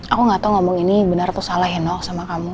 aku gak tau ngomong ini benar atau salah ya nol sama kamu